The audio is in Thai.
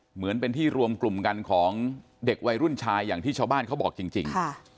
เหมือนเป็นที่รวมกลุ่มกันของเด็กวัยรุ่นชายอย่างที่ชาวบ้านเขาบอกจริง